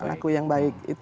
anakku yang baik